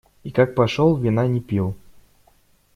И как пошел, вина не пил.